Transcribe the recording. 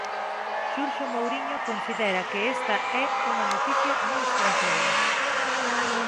Xurxo Mouriño considera que esta é unha noticia moi esperanzadora.